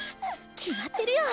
決まってるよ。